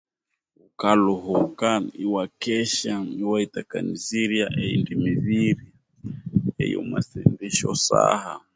Wukaluhuka iwakesya iwayitakanizirya eyindi mibiri eyomwasindi esyosaha